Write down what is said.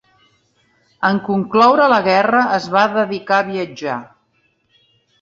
En concloure la guerra es va dedicar a viatjar.